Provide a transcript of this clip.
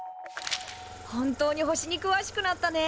本当に星にくわしくなったね。